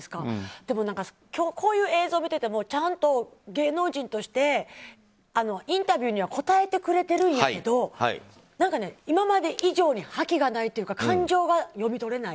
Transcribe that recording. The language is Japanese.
でも、こういう映像を見ていてもちゃんと芸能人としてインタビューには答えてくれてるんやけど何かね、今まで以上に覇気がないというか感情が読み取れない。